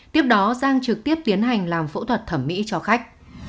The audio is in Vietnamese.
tiếp đó giang trực tiếp tiến hành làm phẫu thuật thẩm mỹ cho khách